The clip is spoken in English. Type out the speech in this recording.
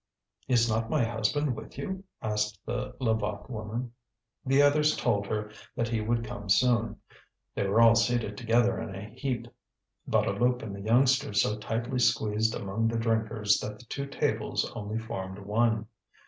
"Is not my husband with you?" asked the Levaque woman. The others told her that he would soon come. They were all seated together in a heap, Bouteloup and the youngsters so tightly squeezed among the drinkers that the two tables only formed one.